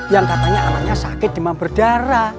yang katanya anaknya sakit demam berdarah